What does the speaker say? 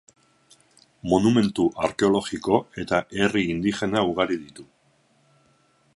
Monumentu arkeologiko eta herri indigena ugari ditu.